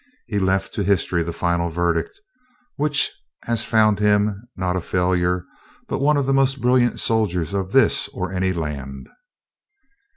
He left to history the final verdict, which has found him, not a failure, but one of the most brilliant soldiers of this or any land.